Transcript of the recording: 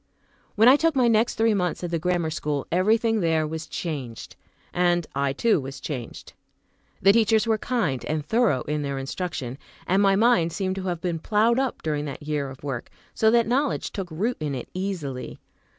When I took my next three months at the grammar school, everything there was changed, and I too was changed. The teachers were kind, and thorough in their instruction; and my mind seemed to have been ploughed up during that year of work, so that knowledge took root in it easily.